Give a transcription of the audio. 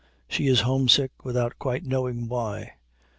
She is homesick without quite knowing why.